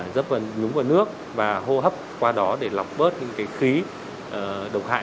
dấp nhúng vào nước và hô hấp qua đó để lọc bớt những khí độc hại